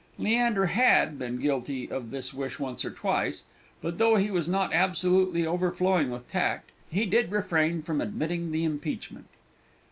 Leander had been guilty of this wish once or twice; but though he was not absolutely overflowing with tact, he did refrain from admitting the impeachment.